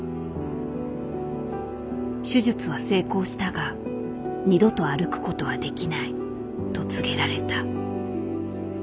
手術は成功したが「二度と歩くことはできない」と告げられた。